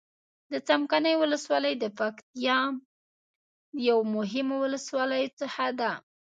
د څمکنيو ولسوالي د پکتيا يو د مهمو ولسواليو څخه ده.